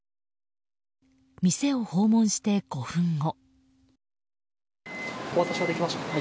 店を訪問して５分後。